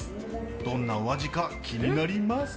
どんなお味が気になります。